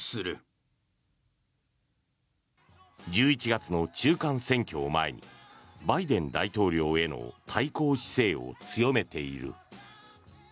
１１月の中間選挙を前にバイデン大統領への対抗姿勢を強めている。